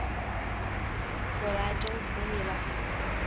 我来征服你了！